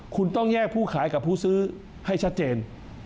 คุณต้องแยกผู้ขายกับผู้ซื้อให้ชัดเจน